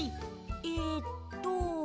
えっと。